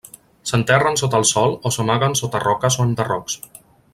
S'enterren sota el sòl o s'amaguen sota roques o enderrocs.